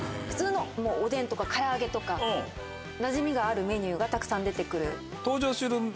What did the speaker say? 普通のおでんとか唐揚げとかなじみがあるメニューがたくさん出て来る。